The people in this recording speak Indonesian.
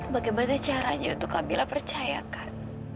bagaimana caranya untuk kak mila percayakan